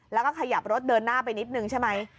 แล้วก็ขยับรถเดินหน้าไปนิดนึงใช่ไหม